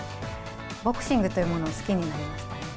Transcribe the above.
ボクシングというものを好きになりましたね。